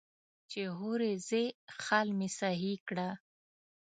چې هورې ځې خال مې سهي کړه.